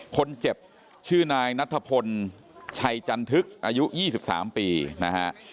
คนเจ็บชื่อนายนัทพลชัยจันทึกอายุ๒๓ปีนะฮะ